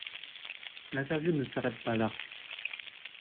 L’interview ne s’arrête pas là.